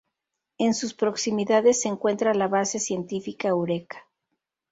En sus proximidades se encuentra la base científica Eureka.